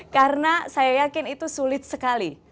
karena saya yakin itu sulit sekali